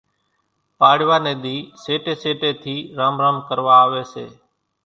پاڙوا ني ۮي سيٽي سيٽي ٿي رام رام ڪروا آوي سي